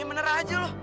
ya menerah aja lo